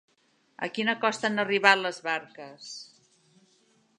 A quina costa han arribat les barques?